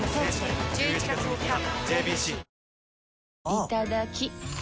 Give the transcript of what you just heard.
いただきっ！